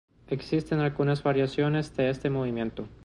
Existen algunas variaciones de este movimiento.